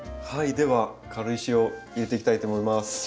はいでは軽石を入れていきたいと思います。